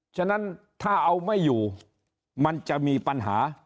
ฉะนั้นถ้าเอาไม่อยู่มันจะมีปัญหา